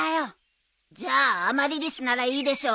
じゃあアマリリスならいいでしょう？